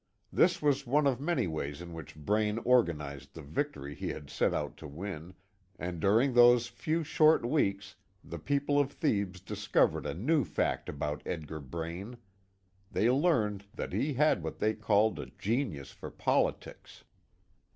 This was one of many ways in which Braine organized the victory he had set out to win, and during those few short weeks, the people of Thebes discovered a new fact about Edgar Braine; they learned that he had what they called "a genius for politics."